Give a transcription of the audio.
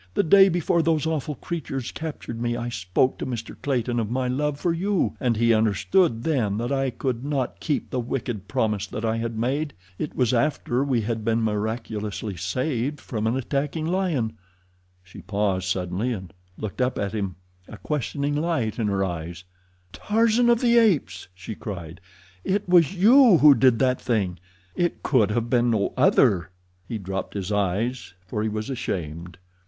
The day before those awful creatures captured me I spoke to Mr. Clayton of my love for you, and he understood then that I could not keep the wicked promise that I had made. It was after we had been miraculously saved from an attacking lion." She paused suddenly and looked up at him, a questioning light in her eyes. "Tarzan of the Apes," she cried, "it was you who did that thing? It could have been no other." He dropped his eyes, for he was ashamed.